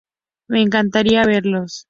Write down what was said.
Me encantaría verlos.